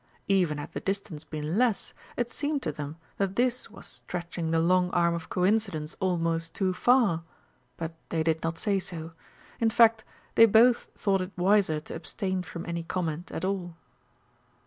Even had the distance been less, it seemed to them that this was stretching the long arm of coincidence almost too far, but they did not say so; in fact, they both thought it wiser to abstain from any comment at all.